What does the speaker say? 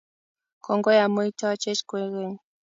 kongoi amu itochech kwekeny